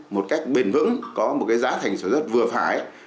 một cách bền vững có một cái giá thành số rất vừa phải